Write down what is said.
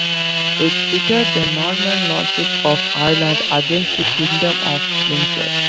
It pitted the Norman Lordship of Ireland against the Kingdom of Leinster.